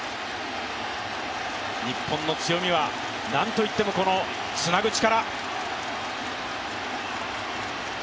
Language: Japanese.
日本の強みは何といってもこのつなぐ力。